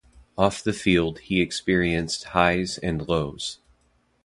Off the field he experienced highs and lows.